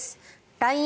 ＬＩＮＥ